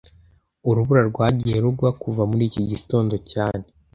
Urubura rwagiye rugwa kuva muri iki gitondo cyane